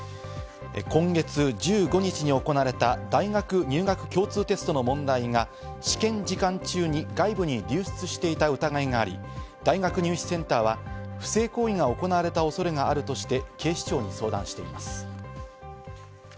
今月１５日に行われた大学入学共通テストの問題が試験時間中に外部に流出していた疑いがあり、大学入試センターは不正行為が行われた恐れがあるとして警視庁に相談しています。